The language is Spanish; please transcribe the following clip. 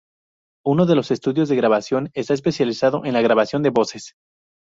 Uno de los estudios de grabación está especializado en la grabación de voces.